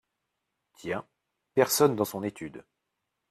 Tiens ! personne dans son étude !